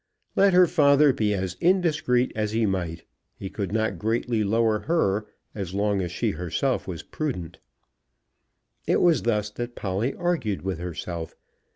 Let her father be as indiscreet as he might, he could not greatly lower her, as long as she herself was prudent. It was thus that Polly argued with herself.